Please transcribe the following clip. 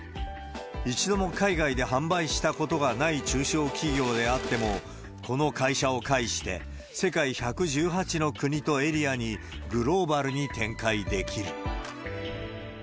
一度も海外で販売したことがない中小企業であっても、この会社を介して、世界１１８の国とエリアにグローバルに展開できる。